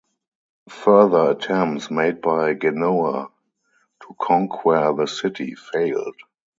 Further attempts made by Genoa to conquer the city failed.